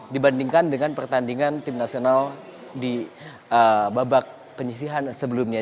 dibandingkan dengan pertandingan tim nasional di babak penyisihan sebelumnya